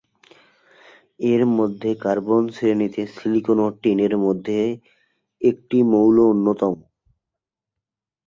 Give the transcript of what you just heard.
এর মধ্যে কার্বন শ্রেণীতে সিলিকন ও টিনের মধ্যে একটি মৌল অন্যতম।